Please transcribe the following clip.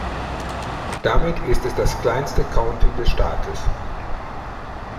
Damit ist es das kleinste County des Staates.